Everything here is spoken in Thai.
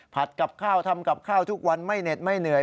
กับข้าวทำกับข้าวทุกวันไม่เหน็ดไม่เหนื่อย